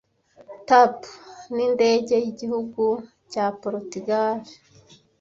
TAP nindege yigihugu cya Portugal